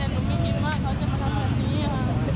แต่หนูไม่คิดว่าเขาจะมาทำแบบนี้ค่ะ